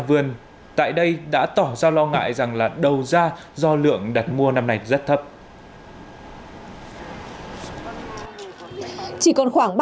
vườn tại đây đã tỏ ra lo ngại rằng là đầu ra do lượng đặt mua năm nay rất thấp chỉ còn khoảng